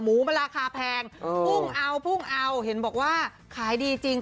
หมูมันราคาแพงพุ่งเอาพุ่งเอาเห็นบอกว่าขายดีจริง